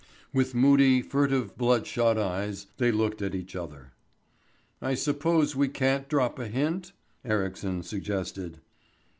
With moody, furtive, bloodshot eyes they looked at each other. "I suppose we can't drop a hint," Ericsson suggested.